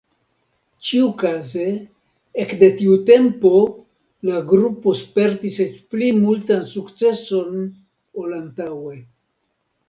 Ĉiukaze ekde tiu tempo la grupo spertis eĉ pli multan sukceson ol antaŭe.